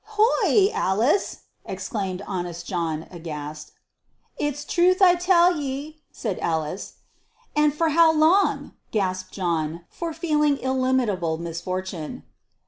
"Whoy, Alice!" exclaimed honest John, aghast. "It's truth I tell ye," said Alice. "And for how long?" gasped John, fore feeling illimitable misfortune.